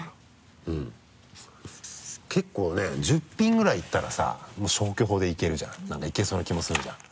結構ね１０品ぐらい言ったらさもう消去法でいけるじゃん何かいけそうな気もするじゃん。